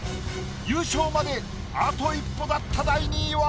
優勝まであと一歩だった第２位は。